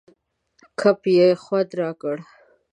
ګپ یې خوند را کړ.